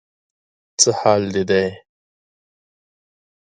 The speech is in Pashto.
څه حال دې دی؟